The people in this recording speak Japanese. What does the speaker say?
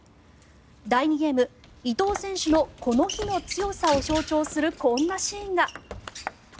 第２ゲーム、伊藤選手のこの日の強さを象徴するこんなシーンが。